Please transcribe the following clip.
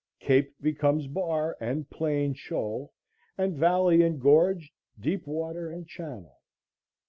Cape becomes bar, and plain shoal, and valley and gorge deep water and channel.